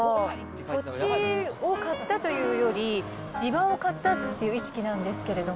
土地を買ったというより、地盤を買ったという意識なんですけれども。